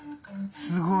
すごい。